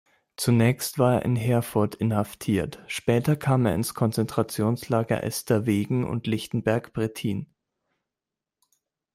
Zunächst war er in Herford inhaftiert, später kam er ins Konzentrationslager Esterwegen und Lichtenberg-Prettin.